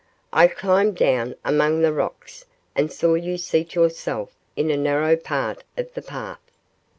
I climbed down among the rocks and saw you seat yourself in a narrow part of the path.